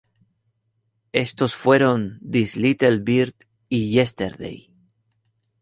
Estos fueron "This Little Bird" y "Yesterday".